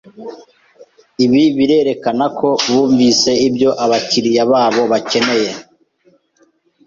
Ibi birerekana ko bumvise ibyo abakiriya babo bakeneye.